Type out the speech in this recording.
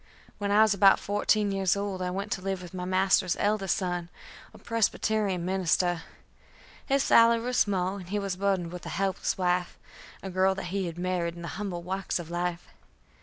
When I was about fourteen years old I went to live with my master's eldest son, a Presbyterian minister. His salary was small, and he was burdened with a helpless wife, a girl that he had married in the humble walks of life.